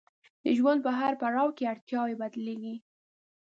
د ژوند په هر پړاو کې اړتیاوې بدلیږي.